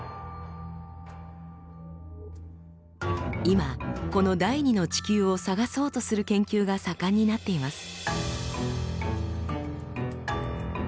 今この第２の地球を探そうとする研究が盛んになっています。